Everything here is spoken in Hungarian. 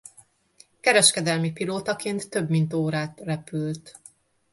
Kereskedelmi pilótaként több mint órát repült.